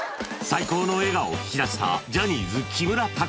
最高の笑顔を引き出したジャニーズ木村拓哉